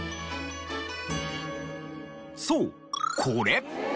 そうこれ。